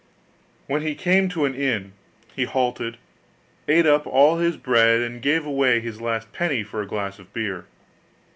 When he came to an inn, he halted, ate up all his bread, and gave away his last penny for a glass of beer.